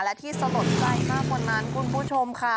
และที่สนใจมากพนันคุณผู้ชมค่ะ